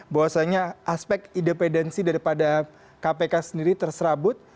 bahwasanya aspek independensi daripada kpk sendiri terserabut